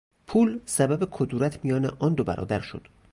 پول، سبب کدورت میان آن دو برادر شد.